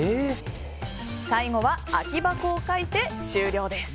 最後は空き箱を描いて終了です。